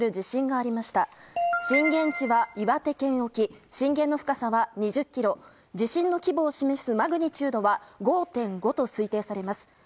震源の深さは２０ｋｍ地震の規模を示すマグニチュードは５．５と推定されます。